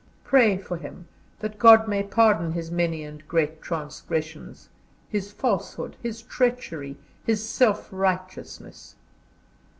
Pray for him, that God may pardon his many and great transgressions, his falsehood, his treachery, his self righteousness.